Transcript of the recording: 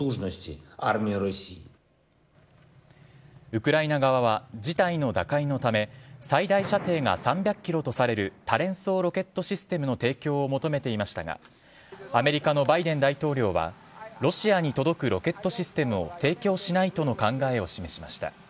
ウクライナ側は事態の打開のため、最大射程が３００キロとされる多連装ロケットシステムの提供を求めていましたが、アメリカのバイデン大統領は、ロシアに届くロケットシステムを提供しないとの考えを示しました。